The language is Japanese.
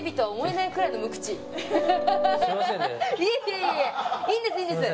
いえいえいいんですいいんです